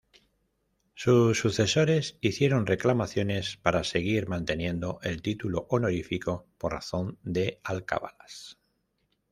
Sus sucesores hicieron reclamaciones para seguir manteniendo el título honorífico por razón de alcabalas.